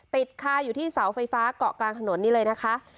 ติดคาอยู่ที่เสาไฟฟ้าเกาะกลางถนนนี่เลยนะคะ